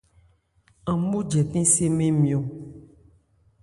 An mó jɛtɛn sé mɛ́n nmyɔ̂n.